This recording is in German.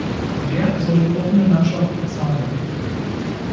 Wer soll die offene Landschaft bezahlen?